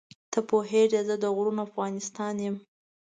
ته خو پوهېږې زه د غرونو افغانستان یم.